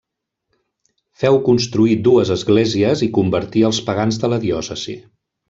Féu construir dues esglésies i convertí els pagans de la diòcesi.